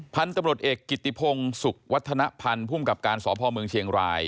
พันธุ์ตำรวจเอกกิติพงศุกร์วัฒนภัณฑ์ภูมิกับการสพเมืองเชียงราย